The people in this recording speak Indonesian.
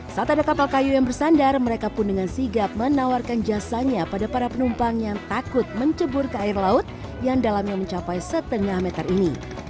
saat ada kapal kayu yang bersandar mereka pun dengan sigap menawarkan jasanya pada para penumpang yang takut mencebur ke air laut yang dalamnya mencapai setengah meter ini